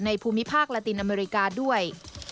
ภูมิภาคลาตินอเมริกาด้วย